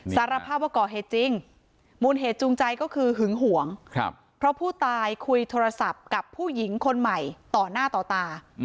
สารภาพว่าก่อเหตุจริงมูลเหตุจูงใจก็คือหึงหวงเพราะผู้ตายคุยโทรศัพท์กับผู้หญิงคนใหม่ต่อหน้าต่อตา